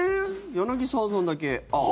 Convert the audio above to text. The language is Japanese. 柳澤さんだけ青。